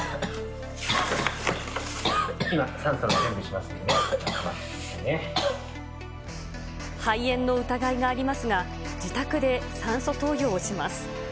今、肺炎の疑いがありますが、自宅で酸素投与をします。